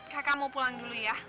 kakak mau pulang dulu ya